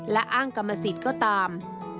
และอ้างกรรมสิทธิ์ก็ตาม